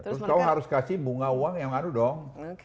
terus kamu harus kasih bunga uang yang adu dong